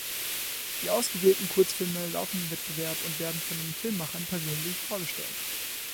Die ausgewählten Kurzfilme laufen im Wettbewerb und werden von den Filmemachern persönlich vorgestellt.